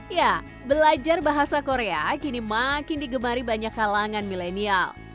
ya belajar bahasa korea kini makin digemari banyak kalangan milenial